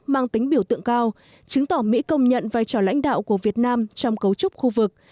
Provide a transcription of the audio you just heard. mang tính biểu tượng cao chứng tỏ mỹ công nhận vai trò lãnh đạo của việt nam trong cấu trúc khu vực